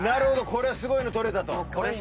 これはすごいの撮れたと。